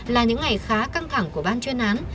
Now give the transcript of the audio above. là những ngày khá căng thẳng của ban chuyên án